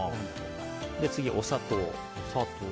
次、お砂糖。